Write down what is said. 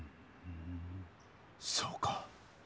そうか。